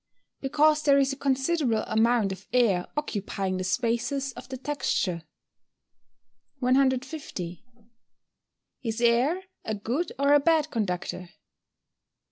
_ Because there is a considerable amount of air occupying the spaces of the texture. 150. _Is air a good or a bad conductor?